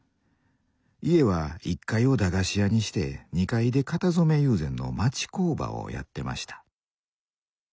家は１階を駄菓子屋にして２階で型染友禅の町工場をやってました。